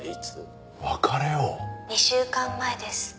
「２週間前です」